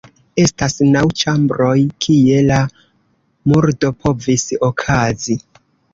Estas naŭ ĉambroj, kie la murdo povis okazi.